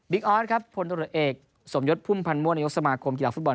บิ๊กออสพลตัวเอกสมยดพุ่มพันมั่วในยกสมาคมกีฬาฟุตบอล